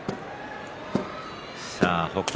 さあ北勝